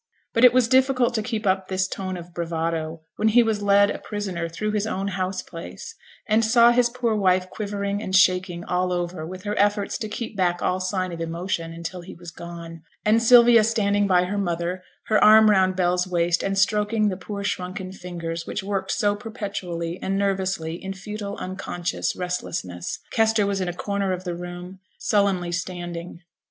But it was difficult to keep up this tone of bravado when he was led a prisoner through his own house place, and saw his poor wife quivering and shaking all over with her efforts to keep back all signs of emotion until he was gone; and Sylvia standing by her mother, her arm round Bell's waist and stroking the poor shrunken fingers which worked so perpetually and nervously in futile unconscious restlessness. Kester was in a corner of the room, sullenly standing.